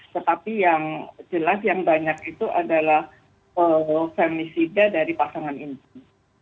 tetapi yang jelas yang banyak itu adalah femisida dari pasangan injen